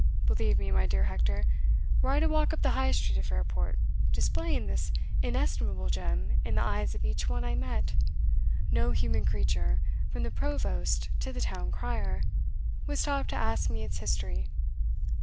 Believe me, my dear Hector, were I to walk up the High Street of Fairport, displaying this inestimable gem in the eyes of each one I met, no human creature, from the provost to the town crier, would stop to ask me its history.